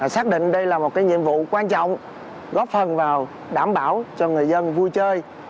xác định đây là một nhiệm vụ quan trọng góp phần vào đảm bảo cho người dân vui chơi